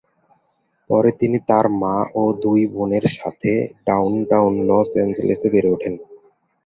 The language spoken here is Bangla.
পরে তিনি তার মা ও দুই বোনের সাথে ডাউনটাউন লস অ্যাঞ্জেলেসে বেড়ে ওঠেন।